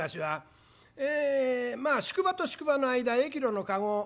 まあ宿場と宿場の間駅路の駕籠